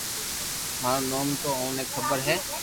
مارو نوم تو اوني خبر ھي